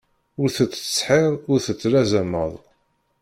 Ur tettsetḥiḍ ur tettlazamed.